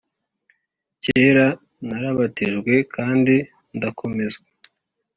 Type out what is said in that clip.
kera narabatijwe kandi ndakomezwa,